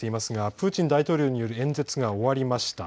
プーチン大統領による演説が終わりました。